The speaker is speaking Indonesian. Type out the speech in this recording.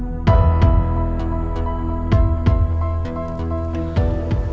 dan kita bisa beristirahat